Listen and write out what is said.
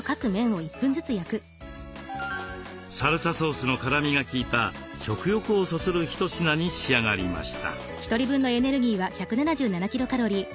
サルサソースの辛みが効いた食欲をそそる一品に仕上がりました。